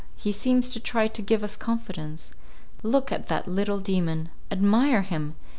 He seems to try to give us confidence. Look at that little demon; admire him!